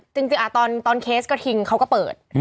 จริงตอนเคสกระทิงเขาก็เปิด